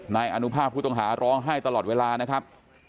นายอนุภาพผู้ต้องหาร้องไห้ตลอดเวลานะครับ